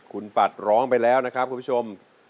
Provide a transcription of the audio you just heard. คุณปัดร้องไปแล้วนะครับคุณผู้ชม